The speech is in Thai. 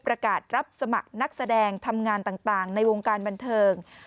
รับสมัครนักแสดงทำงานต่างในวงการบันเทิง